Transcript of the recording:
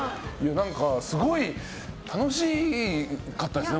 何か、すごい楽しい方ですね。